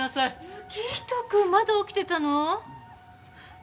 行人君まだ起きてたの？